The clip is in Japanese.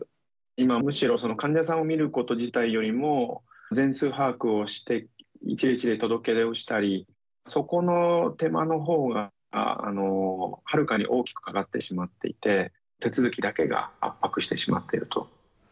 今むしろ患者さんを診ること自体よりも、全数把握をして、１日で届け出をしたり、そこの手間のほうがはるかに大きくかかってしまっていて、手続きだけが圧迫してしまっていると。